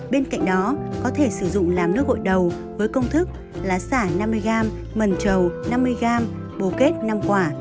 bên cạnh đó có thể sử dụng làm nước gội đầu với công thức lá xả năm mươi g mần trầu năm mươi g bồ kết năm quả